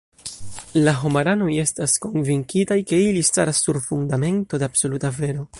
La homaranoj estas konvinkitaj, ke ili staras sur fundamento de absoluta vero.